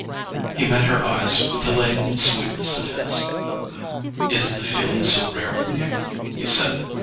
He met her eyes with the latent sweetness of his. "Is the feeling so rare with you?" he said.